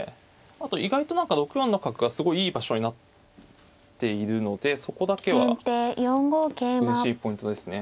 あと意外と６四の角がすごいいい場所になっているのでそこだけはうれしいポイントですね。